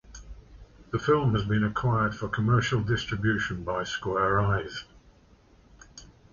The film has been acquired for commercial distribution by Square Eyes.